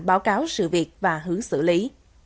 báo cáo sự việc và hướng xử lý